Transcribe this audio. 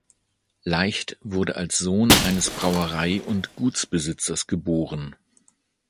Leicht wurde als Sohn eines Brauerei- und Gutsbesitzers geboren.